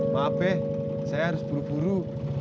maaf deh saya harus buru buru